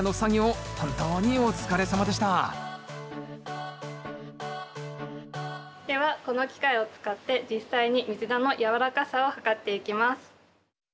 本当にお疲れさまでしたではこの機械を使って実際にミズナのやわらかさを測っていきます。